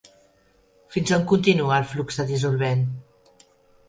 Fins on continua el flux de dissolvent?